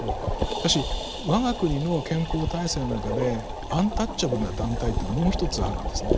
しかし我が国の憲法体制の中でアンタッチャブルな団体というのはもうひとつあるんですね。